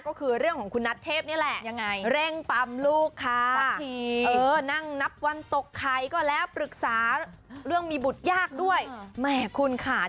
ก็คือเรื่องของคุณณัทเทพนี่แหละ